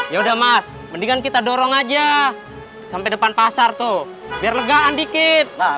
ya udah mas mendingan kita dorong aja sampai depan pasar tuh biar legaan dikit